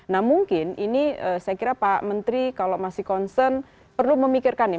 nah mungkin ini saya kira pak menteri kalau masih concern perlu memikirkan nih